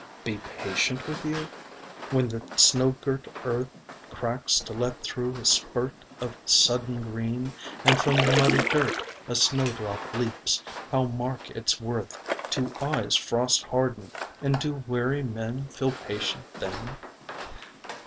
Be patient with you? When the snow girt earth Cracks to let through a spurt Of sudden green, and from the muddy dirt A snowdrop leaps, how mark its worth To eyes frost hardened, and do weary men Feel patience then?